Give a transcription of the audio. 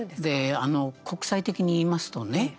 国際的に言いますとね